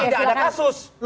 tidak ada kasus